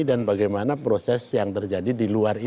dan bagaimana proses yang terjadi di luar itu